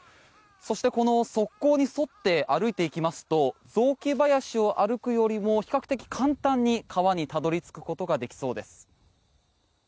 そしてこの側溝に沿って歩いていきますと雑木林を歩くよりも比較的簡単に川にたどり着くことができそうです。